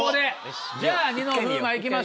じゃあニノ風磨いきましょう。